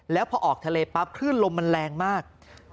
แล้วพอออกทะเลปั๊บคลื่นลมมันแรงมาก